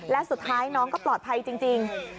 และสุดท้ายน้องก็ปลอดภัยจริง